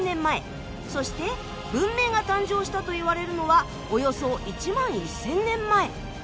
そして文明が誕生したといわれるのはおよそ１万１，０００年前。